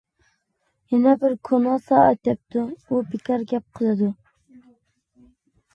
يەنە بىر كونا سائەت دەپتۇ:-ئۇ بىكار گەپ قىلىدۇ.